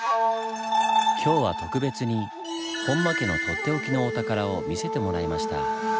今日は特別に本間家のとっておきのお宝を見せてもらいました。